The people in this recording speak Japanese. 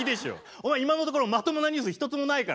お前今のところまともなニュース一つもないからね。